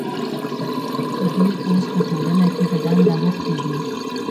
دوی اوس په ټولنه کې په دنده بوختې دي.